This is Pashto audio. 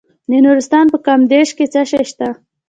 د نورستان په کامدیش کې څه شی شته؟